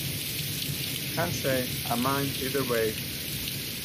Can't say I mind either way.